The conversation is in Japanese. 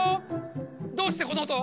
どうしてこのおとを？